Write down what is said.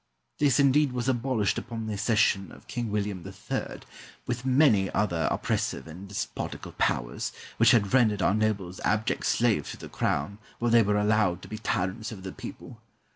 This, indeed, was abolished upon the accession of King William III., with many other oppressive and despotical powers, which had rendered our nobles abject slaves to the Crown, while they were allowed to be tyrants over the people.